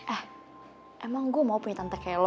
eh emang gue mau punya tante kayak lo